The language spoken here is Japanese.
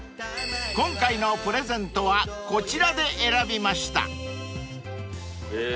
［今回のプレゼントはこちらで選びました］